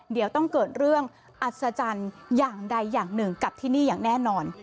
เดี๋ยวต้องเกิดเรื่องอัศจรรย์อย่างใดอย่างหนึ่งกับที่นี่อย่างแน่นอน